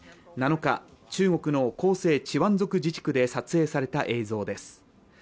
７日、中国の広西チワン族自治区で撮影された映像です。